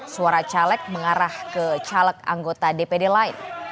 suara caleg mengarah ke caleg anggota dpd lain